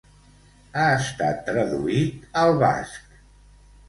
Ha estat traduït al basc.